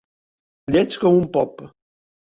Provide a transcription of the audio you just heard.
Lleig com un pop.